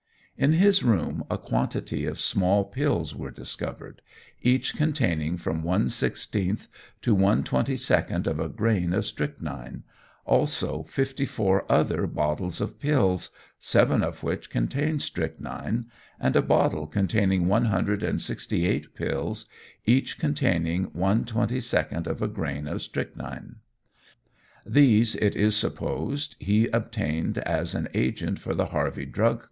In his room a quantity of small pills were discovered, each containing from one sixteenth to one twenty second of a grain of strychnine, also fifty four other bottles of pills, seven of which contained strychnine, and a bottle containing one hundred and sixty eight pills, each containing one twenty second of a grain of strychnine. These, it is supposed, he obtained as an agent for the Harvey Drug Co.